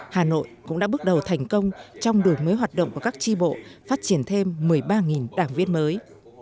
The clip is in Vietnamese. hà nội cũng đã bước đầu thành công trong đổi mới hoạt động của các tri bộ phát triển thêm một mươi ba đảng viên mới